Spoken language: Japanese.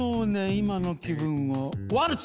今の気分はワルツ！